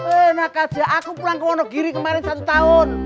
enak aja aku pulang ke wonogiri kemarin satu tahun